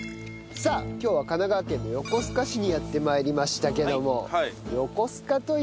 さあ今日は神奈川県の横須賀市にやって参りましたけども。